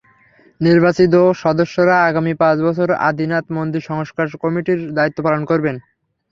নির্বাচিত সদস্যরা আগামী পাঁচ বছর আদিনাথ মন্দির সংস্কার কমিটির দায়িত্ব পালন করবেন।